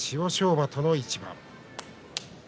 馬との一番。